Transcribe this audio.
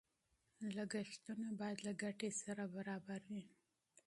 لګښتونه باید له ګټې سره برابر وي.